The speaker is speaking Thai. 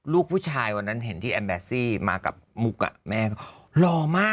ลูกผู้ชายวันนั้นเห็นที่มากับลักแม่เหล่าต้อนรอมากอ่ะ